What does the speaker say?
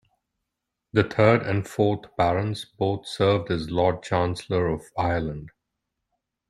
The third and fourth Barons both served as Lord Chancellor of Ireland.